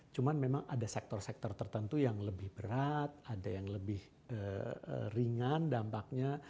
cuma memang ada sektor sektor tertentu yang lebih berat ada yang lebih ringan dampaknya